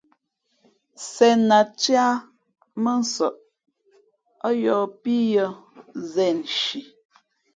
Sēn a cēh ā mά ń nsαꞌ ά yōhpíyʉ̄ᾱ zēn nshi.